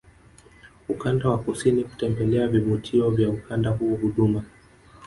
ukanda wa kusini kutembelea vivutio vya ukanda huo Huduma